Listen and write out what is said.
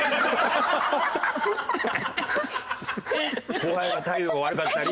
後輩の態度が悪かったり。